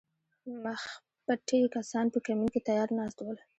مخپټي کسان په کمین کې تیار ناست ول